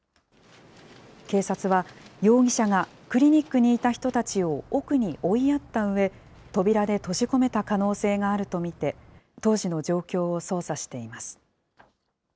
警察は、容疑者がクリニックにいた人たちを奥に追いやったうえ、扉で閉じ込めた可能性があると見て、当時の状況を捜査しています。